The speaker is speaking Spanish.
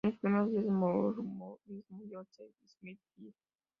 En los primeros días del mormonismo, Joseph Smith Jr.